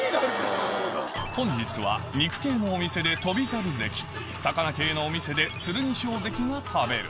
本日は肉系のお店で魚系のお店でが食べる